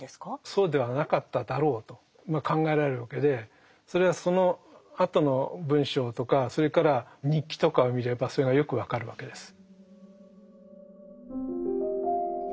そうではなかっただろうと考えられるわけでそれはそのあとの文章とかそれから日記とかを見ればそれがよく分かるわけです。